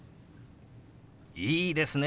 いいですね。